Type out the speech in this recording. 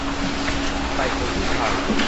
ใส่ผมผู้ชาย